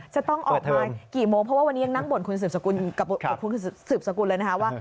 จะต้องออกมากี่โมงเพราะว่าวันนี้ยังนั่งบ่นคุณสืบสกุลกับคุณสืบสกุลเลยนะคะว่า